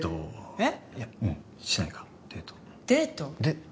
えっ？